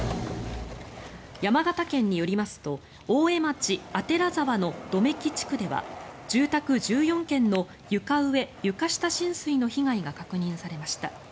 山形県によりますと大江町左沢の百目木地区では住宅１４軒の床上・床下浸水の被害が確認されました。